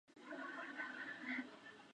Artículos de prensa destacados